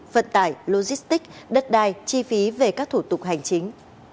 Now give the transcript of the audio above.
vận tải logistic đất đai chi phí về các thủ tục hành chính